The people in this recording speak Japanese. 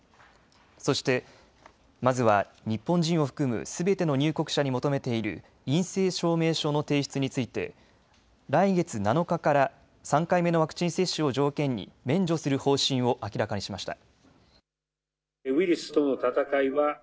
そして、まずは日本人を含むすべての入国者に求めている陰性証明書の提出について来月７日から３回目のワクチン接種を条件に免除する方針を明らかにしました。